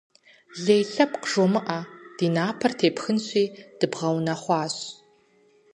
Лей лъэпкъ жумыӏэ, ди напэр тепхынщи, дыбгъэунэхъуащ.